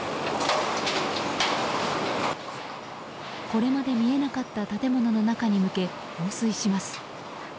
これまで見えなかった建物の中に向け放水します。